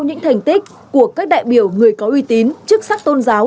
những thành tích của các đại biểu người có uy tín chức sắc tôn giáo